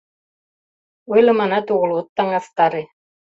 Ойлыманат огыл, от таҥастаре.